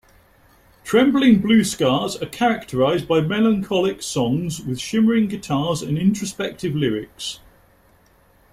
Trembling Blue Stars are characterized by melancholic songs with shimmering guitars and introspective lyrics.